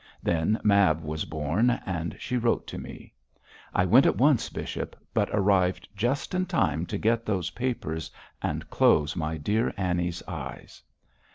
Then Mab was born, and she wrote to me. I went at once, bishop, but arrived just in time to get those papers and close my dear Annie's eyes.